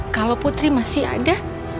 kalau putri masih ada